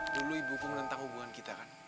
dulu ibu menentang hubungan kita kan